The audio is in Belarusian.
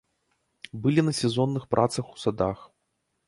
Былі на сезонных працах у садах.